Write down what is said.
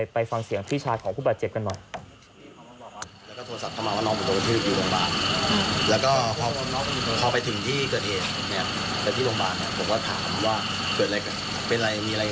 ไปฟังเสียงพี่ชายของผู้บาดเจ็บกันหน่อย